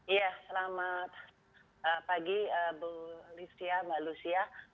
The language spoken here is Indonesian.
iya selamat pagi mbak lucia